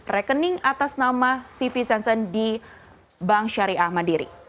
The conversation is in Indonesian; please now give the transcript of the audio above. rekening atas nama sivi sensen di bank syariah mandiri